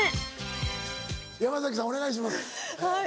はい。